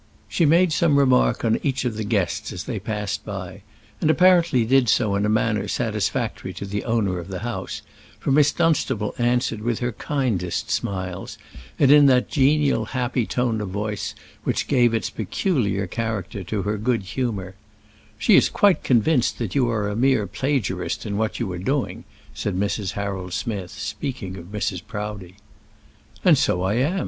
She made some remark on each of the guests as they passed by, and apparently did so in a manner satisfactory to the owner of the house, for Miss Dunstable answered with her kindest smiles, and in that genial, happy tone of voice which gave its peculiar character to her good humour: "She is quite convinced that you are a mere plagiarist in what you are doing," said Mrs. Harold Smith, speaking of Mrs. Proudie. "And so I am.